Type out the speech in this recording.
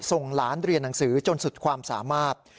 ส่งหลานเรียนหนังสือจนสุดความสามารถ